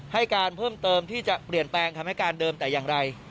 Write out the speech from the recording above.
ให้การเพิ่มเติมที่จะเปลี่ยนแปลงคำให้การเดิมแต่อย่างไร